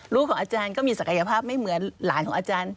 ของอาจารย์ก็มีศักยภาพไม่เหมือนหลานของอาจารย์